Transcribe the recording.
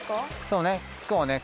そうね